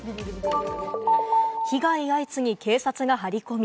被害相次ぎ警察が張り込み。